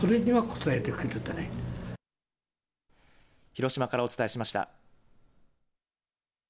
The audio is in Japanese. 広島からお伝えしました。